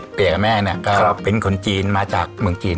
เสียกับแม่เนี่ยก็เป็นคนจีนมาจากเมืองจีน